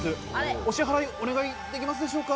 お支払いお願いできますでしょうか？